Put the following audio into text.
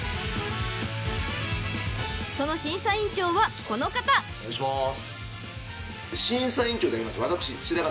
［その審査員長はこの方］お願いします。